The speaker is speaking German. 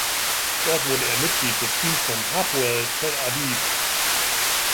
Dort wurde er Mitglied des Teams von Hapoel Tel Aviv.